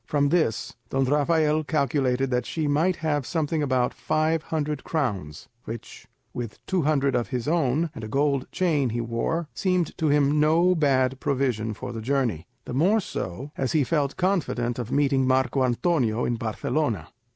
From this Don Rafael calculated that she might have something about five hundred crowns, which, with two hundred of his own, and a gold chain he wore, seemed to him no bad provision for the journey; the more so, as he felt confident of meeting Marco Antonio in Barcelona.